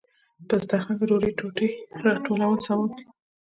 په دسترخان کې د ډوډۍ ټوټې ټولول ثواب دی.